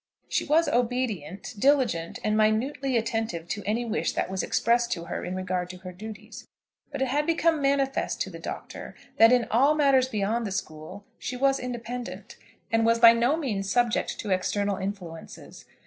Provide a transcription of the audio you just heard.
She was obedient, diligent, and minutely attentive to any wish that was expressed to her in regard to her duties; but it had become manifest to the Doctor that in all matters beyond the school she was independent, and was by no means subject to external influences.